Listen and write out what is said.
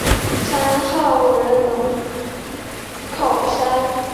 山号为龙口山。